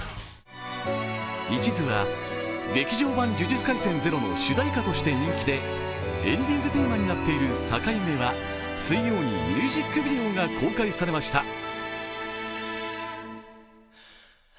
「一途」は「劇場版呪術廻戦０」の主題歌として人気でエンディングテーマになっている「逆夢」は水曜にミュージックビデオが公開されました。